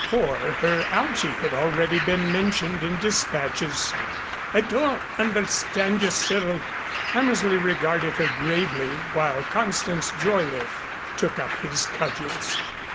For her Algy had already been mentioned in dispatches. "I don't understand you, Cyril." Hammersley regarded her gravely while Constance Joyliffe took up his cudgels.